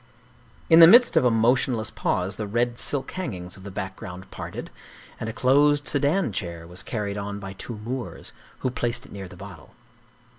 In the midst of a motionless pause the red silk hangings of the background parted, and a closed sedan chair was carried on by two Moors, who placed it near the bottle.